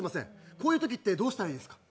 こういうときってどうしたらいいですか？